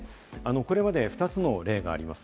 これまで２つの例があります。